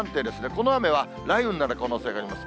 この雨は雷雨になる可能性があります。